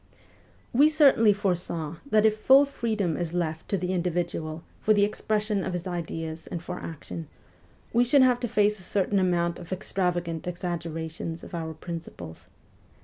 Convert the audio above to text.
We certainly foresaw that if full freedom is left to the individual for the expression of his ideas and for action, we should have to face a certain amount of extravagant exaggerations of our principles.